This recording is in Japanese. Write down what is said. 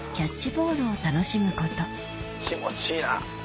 気持ちいいな。